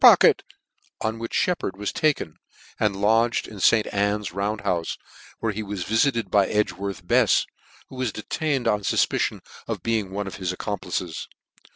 pocket," on which Sheppard was taken, and lodged in St. Anne's Round houfe, where he was vifited by Edgworth Befs, who was detained on iufpicion of being one of his accomplices.